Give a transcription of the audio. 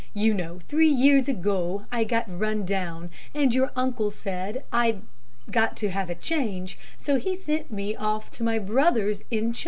You know three years ago I got run down, and your uncle said I'd got to have a change, so he sent me off to my brother's in Ch o.